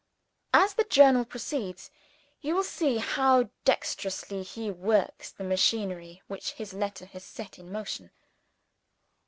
As the Journal proceeds, you will see how dexterously he works the machinery which his letter has set in motion.